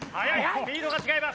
スピードが違います。